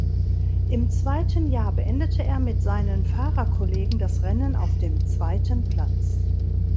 Im zweiten Jahr beendete er mit seinen Fahrerkollegen das Rennen auf dem zweiten Platz.